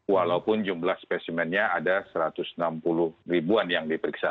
walaupun jumlah spesimennya ada satu ratus enam puluh ribuan yang diperiksa